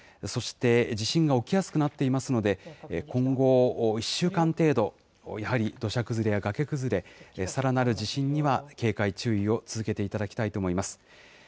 そして地震が起きやすくなっていますので、今後１週間程度、やはり土砂崩れや崖崩れ、さらなる地震には警戒、注意を続けていただきたいと思います。